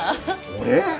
俺！？